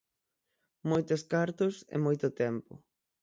Moitos cartos e moito tempo.